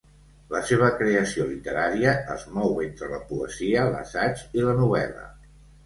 La seva creació literària es mou entre la poesia, l'assaig i la novel·la.